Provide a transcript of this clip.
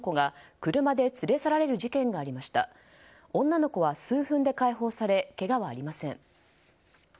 女の子は数分で解放されけがはありません。